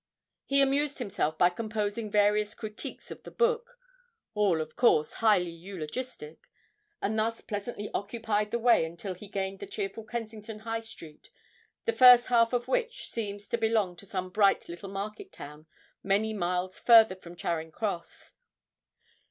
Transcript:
He amused himself by composing various critiques on the book (all of course highly eulogistic), and thus pleasantly occupied the way until he gained the cheerful Kensington High Street, the first half of which seems to belong to some bright little market town many miles further from Charing Cross.